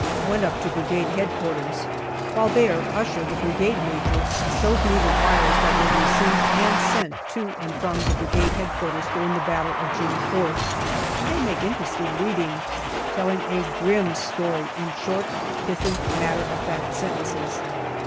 Went up to Brigade H.Q. While there, Usher, the Brigade Major, shows me the wires that were received and sent to and from the Brigade H.Q. during the battle of June 4th, and they make interesting reading, telling a grim story in short, pithy, matter of fact sentences.